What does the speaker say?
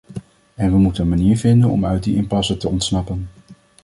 En we moeten een manier vinden om uit die impasse te ontsnappen.